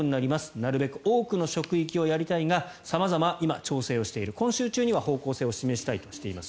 なるべく多くの職域をやりたいが様々、今、調整をしている今週中には方向性を示したいとしています。